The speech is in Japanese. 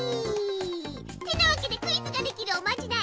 てなわけでクイズができるおまじない！